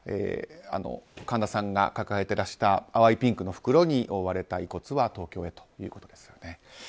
神田さんが抱えていらした淡いピンクの袋に覆われた遺骨は東京へと、ということです。